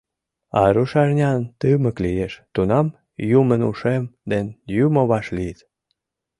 А рушарнян тымык лиеш, тунам юмынушем ден Юмо вашлийыт».